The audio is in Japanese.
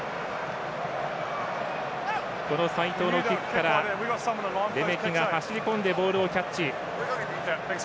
この齋藤のキックからレメキが走り込んでボールをキャッチ。